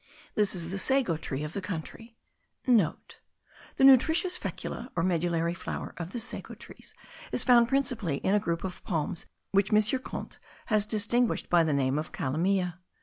This is the sago tree* of the country (* The nutritious fecula or medullary flour of the sago trees is found principally in a group of palms which M. Kunth has distinguished by the name of calameae.